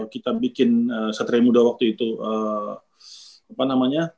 kita bikin satria muda waktu itu apa namanya